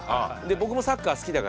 僕もサッカー好きだから。